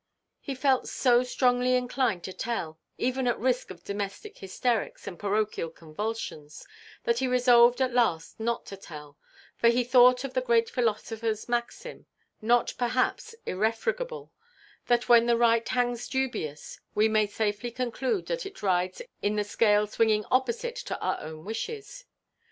He felt so strongly inclined to tell, even at risk of domestic hysterics and parochial convulsions, that he resolved at last not to tell; for he thought of the great philosopherʼs maxim (not perhaps irrefragable), that when the right hangs dubious, we may safely conclude that it rides in the scale swinging opposite to our own wishes.